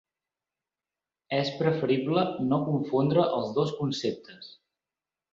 És preferible no confondre els dos conceptes.